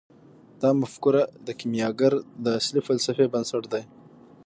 دا مفکوره د کیمیاګر د اصلي فلسفې بنسټ دی.